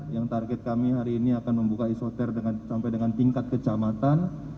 yang target kami hari ini akan membuka isoter sampai dengan tingkat kecamatan